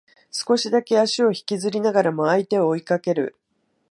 少しだけ足を引きずりながらも相手を追いかける